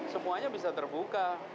semuanya bisa terbuka